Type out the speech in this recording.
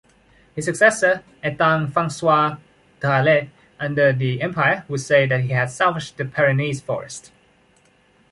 His successor, Etienne-François Dralet, under the empire, would say that he had salvaged the Pyrenees forest.